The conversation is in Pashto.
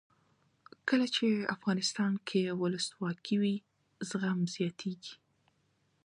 کله چې افغانستان کې ولسواکي وي زغم زیاتیږي.